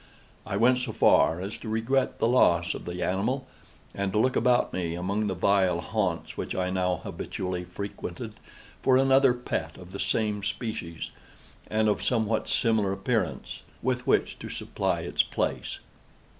I went so far as to regret the loss of the animal, and to look about me, among the vile haunts which I now habitually frequented, for another pet of the same species, and of somewhat similar appearance, with which to supply its place.